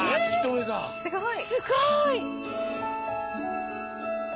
え⁉すごい！